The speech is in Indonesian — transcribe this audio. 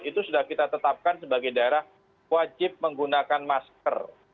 itu sudah kita tetapkan sebagai daerah wajib menggunakan masker